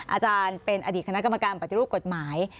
อาจารย์เป็นอดีตคณะกรรมการปฏิรูปกฎหมาย